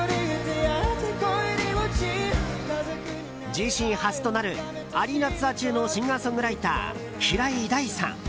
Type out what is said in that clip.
自身初となるアリーナツアー中のシンガーソングライター平井大さん。